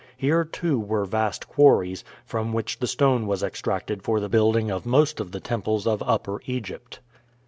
Here, too, were vast quarries, from which the stone was extracted for the building of most of the temples of Upper Egypt.